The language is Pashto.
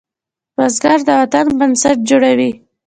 بزګر د وطن بنسټ جوړوي